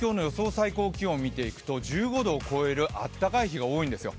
最高気温を見ていくと１５度を超えるあったかい日が多いんですよ。